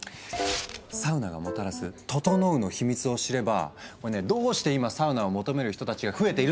サウナがもたらす「ととのう」の秘密を知ればどうして今サウナを求める人たちが増えているのか？